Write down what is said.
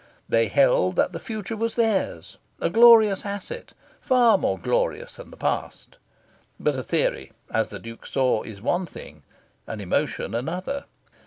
They held that the future was theirs, a glorious asset, far more glorious than the past. But a theory, as the Duke saw, is one thing, an emotion another.